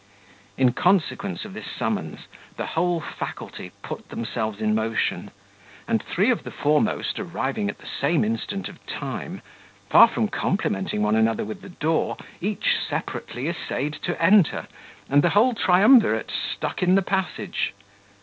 In consequence of this summons, the whole faculty put themselves in motion; and three of the foremost arriving at the same instant of time, far from complimenting one another with the door, each separately essayed to enter, and the whole triumvirate stuck in the passage.